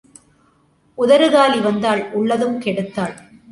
உதறு காலி வந்தாள், உள்ளதும் கெடுத்தாள்.